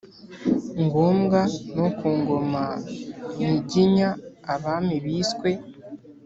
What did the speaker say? ngombwa. no ku ngoma nyiginya, abami biswe